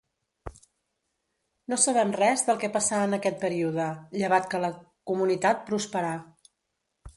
No sabem res del que passà en aquest període, llevat que la comunitat prosperà.